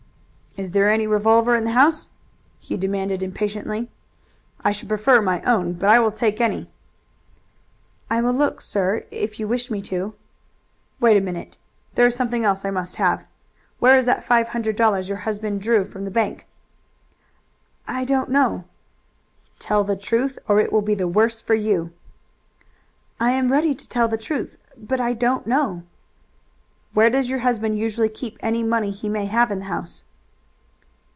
"Is there any revolver in the house?" he demanded impatiently. "I should prefer my own, but I will take any." "I will look, sir, if you wish me to." "Wait a minute. There is something else I must have. Where is that five hundred dollars your husband drew from the bank?" "I don't know." "Tell the truth, or it will be the worse for you!" "I am ready to tell the truth, but I don't know." "Where does your husband usually keep any money he may have in the house?"